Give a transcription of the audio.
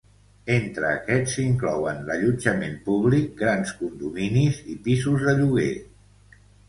Entre aquests s'inclouen l'allotjament públic, grans condominis i pisos de lloguer.